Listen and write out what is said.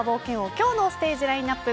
今日のステージラインアップ